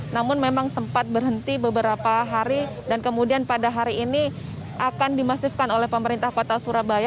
namun memang sempat berhenti beberapa hari dan kemudian pada hari ini akan dimasifkan oleh pemerintah kota surabaya